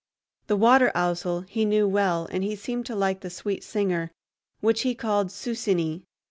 The water ousel he knew well and he seemed to like the sweet singer, which he called "Sussinny."